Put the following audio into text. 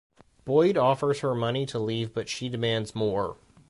Boyd offers her money to leave but she demands more.